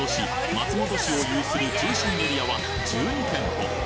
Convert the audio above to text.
松本市を有する中信エリアは１２店舗